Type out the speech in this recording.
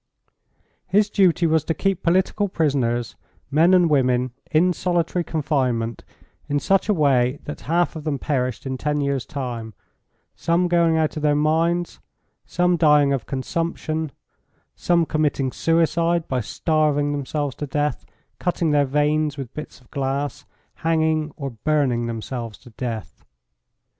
His duty was to keep political prisoners, men and women, in solitary confinement in such a way that half of them perished in 10 years' time, some going out of their minds, some dying of consumption, some committing suicide by starving themselves to death, cutting their veins with bits of glass, hanging, or burning themselves to death.